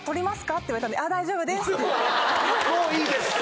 「もういいです」と。